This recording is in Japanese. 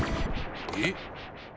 えっ！